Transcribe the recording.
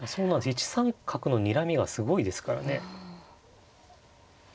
１三角のにらみがすごいですからね。